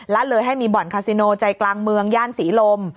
ละเลยให้มีบ่อนคาซิโนใจกลางเมืองย่านศรีลม